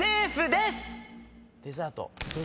デザート。